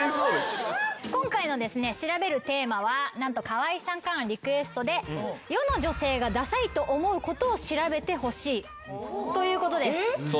今回の調べるテーマは何と河合さんからのリクエストで世の女性がダサいと思うことを調べてほしいということです。